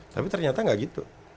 tapi ternyata nggak gitu